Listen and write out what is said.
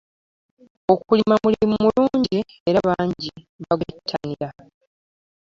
Okulima mulimu mulungi nnyo era bangi bagwettanira.